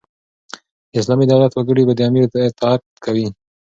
د اسلامي دولت وګړي به د امیر اطاعت کوي.